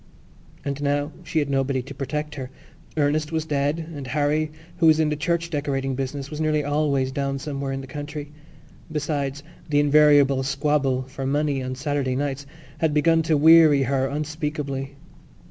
And now she had nobody to protect her. Ernest was dead and Harry, who was in the church decorating business, was nearly always down somewhere in the country. Besides, the invariable squabble for money on Saturday nights had begun to weary her unspeakably.